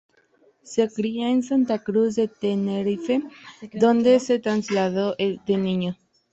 Se crio en Santa Cruz de Tenerife, donde se trasladó de niño.